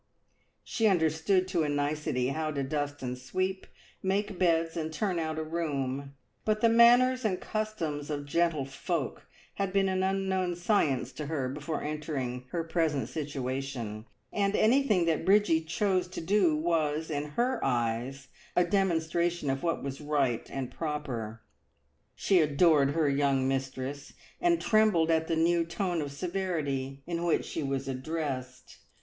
She understood to a nicety how to dust and sweep, make beds and turn out a room, but the manners and customs of gentlefolk had been an unknown science to her before entering her present situation, and anything that Bridgie chose to do was, in her eyes, a demonstration of what was right and proper. She adored her young mistress, and trembled at the new tone of severity in which she was addressed.